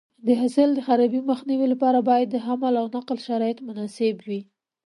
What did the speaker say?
د حاصل د خرابي مخنیوي لپاره باید د حمل او نقل شرایط مناسب وي.